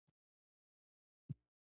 ازادي راډیو د اقلیتونه اړوند مرکې کړي.